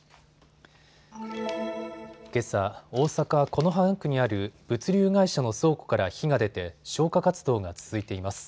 けさ、大阪此花区にある物流会社の倉庫から火が出て消火活動が続いています。